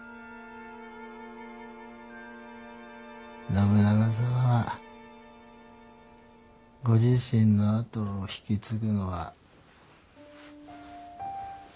信長様はご自身のあとを引き継ぐのは。